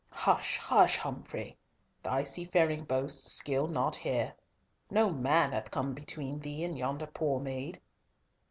"Hush, hush, Humfrey! thy seafaring boasts skill not here. No man hath come between thee and yonder poor maid."